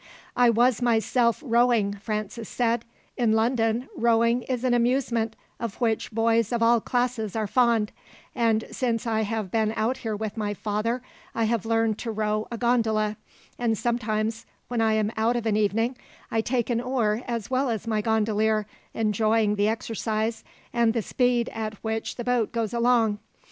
"I was myself rowing," Francis said. "In London, rowing is an amusement of which boys of all classes are fond, and since I have been out here with my father I have learned to row a gondola; and sometimes, when I am out of an evening, I take an oar as well as my gondolier, enjoying the exercise and the speed at which the boat goes along.